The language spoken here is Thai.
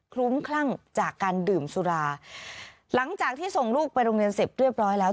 ลุ้มคลั่งจากการดื่มสุราหลังจากที่ส่งลูกไปโรงเรียนเสร็จเรียบร้อยแล้ว